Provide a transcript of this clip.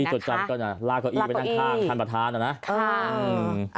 ที่จดจำก็จะลากตะอีกไปข้างข้างประธานนะ